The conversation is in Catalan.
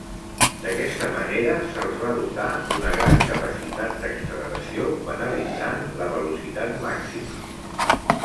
D'aquesta manera se'ls va dotar d'una gran capacitat d'acceleració penalitzant la velocitat màxima.